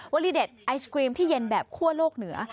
ลีเด็ดไอศกรีมที่เย็นแบบคั่วโลกเหนือ